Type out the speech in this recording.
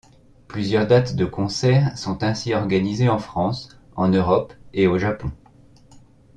Plusieurs dates de concerts sont ainsi organisées en France, en Europe et au Japon.